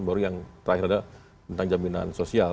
baru yang terakhir ada tentang jaminan sosial